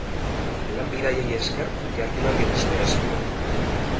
Lan-bidaiei esker, jardunari eustea espero du.